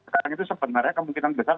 sekarang itu sebenarnya kemungkinan besar